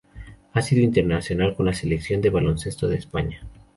Ha sido internacional con la Selección de baloncesto de España.